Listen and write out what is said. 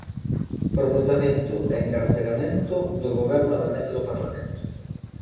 Procesamento e encarceramento do Goberno e da Mesa do Parlamento.